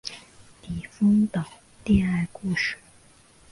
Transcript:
李锋的恋爱故事